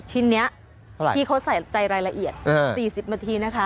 ชิ้นนี้ที่เขาใส่ใจรายละเอียด๔๐นาทีนะคะ